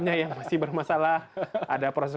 yang masih bermasalah ada proses